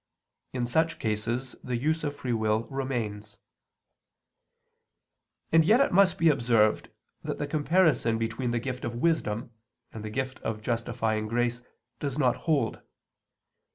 In such cases the use of free will remains. And yet it must be observed that the comparison between the gift of wisdom and the gift of justifying grace does not hold.